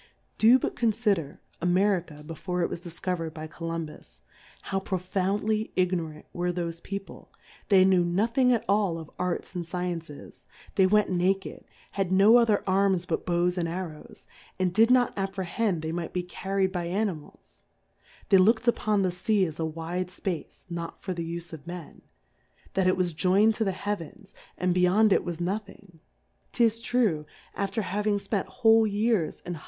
Do but confider America before it was difcoverM by Cokmttis^ how profoundly Ignorant were thofe People, they knew nothing at all of Arts and Sciences, they went naked, had no o ther Arms but Bows and Arrows, and did not apprehend they might be carried by Animals ; they lookM upon the Sea as a v/ide Space, not for the ufe of Men, that it was joynM to the Heavens, and beyond it was nothing : 'Tis true, af ter having fpent wiiole Years in hol lov/ing Plurality 0/ WORLDS.